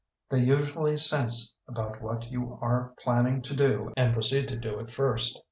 They usually sense about what you are plan ning to do and proceed to do it first.